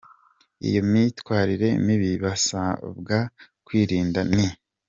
Iyo myitwarire mibi basabwa kwirinda ni :.